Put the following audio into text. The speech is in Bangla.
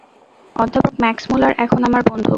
অধ্যাপক ম্যাক্সমূলার এখন আমার বন্ধু।